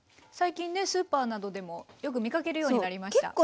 最近ねスーパーなどでもよく見かけるようになりました。